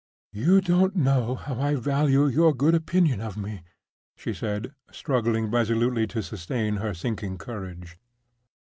"You don't know how I value your good opinion of me," she said, struggling resolutely to sustain her sinking courage.